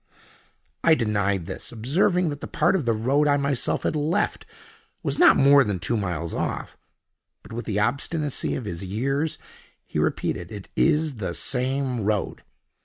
I denied this, observing that the part of the road I myself had left was not more than two miles off. But with the obstinacy of his years he repeated: "It is the same road.